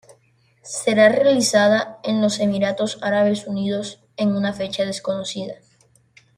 Será realizada en los Emiratos Árabes Unidos, en una fecha desconocida.